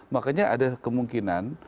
makanya ada kemungkinan